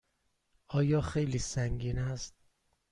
آیا خیلی سنگین است؟